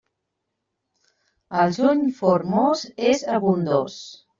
El juny formós és abundós.